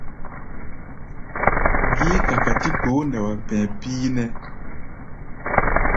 Géé kakatí kpoo nɛ wá pɛɛ píínɛ́ʼɛ!